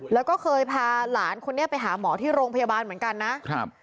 แล้วก็เคยพาหลานคนนี้ไปหาหมอที่โรงพยาบาลเหมือนกันนะครับ